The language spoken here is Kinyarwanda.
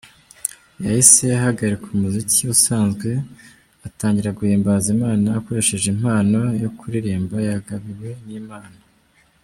Yahise ahagarika umuziki usanzwe atangira guhimbaza Imana akoresheje impano yo kuririmba yagabiwe n'Imana.